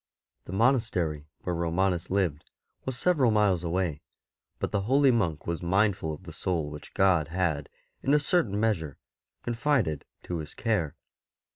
The monastery where Romanus lived was several miles awa}^; but the holy monk was mindful of the soul which God had, in a certain measure, confided to his care.